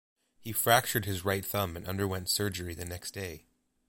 He fractured his right thumb and underwent surgery the next day.